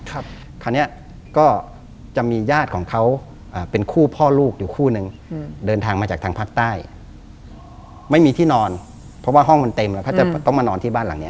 คราวนี้ก็จะมีญาติของเขาเป็นคู่พ่อลูกอยู่คู่นึงเดินทางมาจากทางภาคใต้ไม่มีที่นอนเพราะว่าห้องมันเต็มแล้วเขาจะต้องมานอนที่บ้านหลังเนี้ย